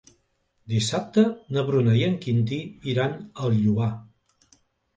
Dissabte na Bruna i en Quintí iran al Lloar.